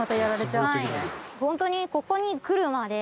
ホントにここに来るまで。